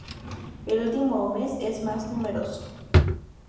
El último es más numeroso.